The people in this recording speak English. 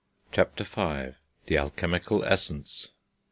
CHAPTER V. THE ALCHEMICAL ESSENCE.